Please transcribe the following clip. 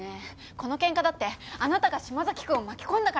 このケンカだってあなたが島崎君を巻き込んだからこうなったんでしょ？